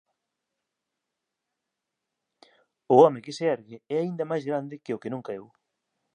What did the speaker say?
O home que se ergue é aínda máis grande que o que non caeu